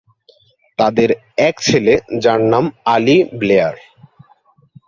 তাদের এক ছেলে, যার নাম আলী ব্লেয়ার।